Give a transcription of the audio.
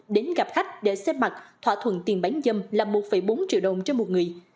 đến gặp khách để xếp mặt thỏa thuận tiền bán giam là một bốn triệu đồng cho một người